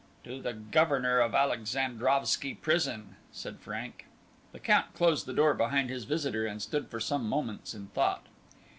"To the Governor of Alexandrovski Prison," said Frank. The Count closed the door behind his visitor, and stood for some moments in thought.